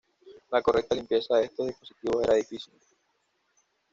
La correcta limpieza de estos dispositivos era difícil.